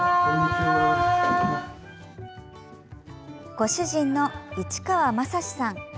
ご主人の市川仁さん。